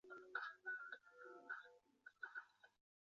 新芬党都柏林总部设于广场西侧。